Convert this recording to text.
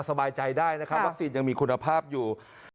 สบายใจได้นะครับวัคซีนยังมีคุณภาพอยู่